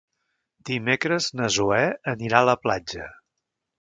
Dimecres na Zoè anirà a la platja.